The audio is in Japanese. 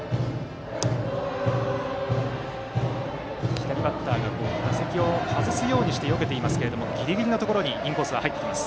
左バッターが打席を外すようにしてよけていますがギリギリのところにインコースは入ってきます。